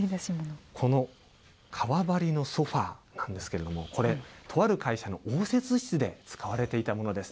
この革張りのソファーなんですけども、これ、とある会社の応接室で使われていたものです。